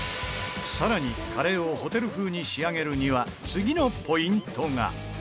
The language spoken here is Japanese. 更にカレーをホテル風に仕上げるには次のポイントが。